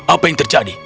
apa yang terjadi